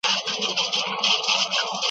بیا دي پغمان دی واورو نیولی .